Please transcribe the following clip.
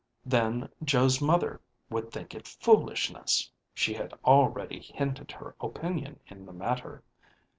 Then Joe's mother would think it foolishness; she had already hinted her opinion in the matter.